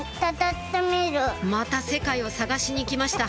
また世界を探しに行きました